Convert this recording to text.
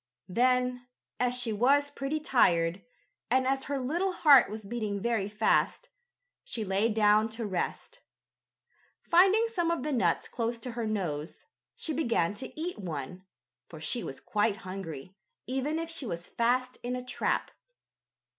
Then, as she was pretty tired, and as her little heart was beating very fast, she lay down to rest. Finding some of the nuts close to her nose, she began to eat one, for she was quite hungry, even if she was fast in a trap.